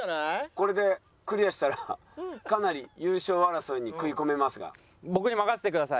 これでクリアしたらかなり優勝争いに食い込めますが。